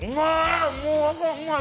うまい！